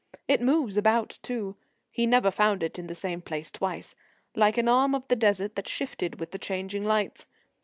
It moves about too; he never found it in the same place twice like an arm of the Desert that shifted with the changing lights.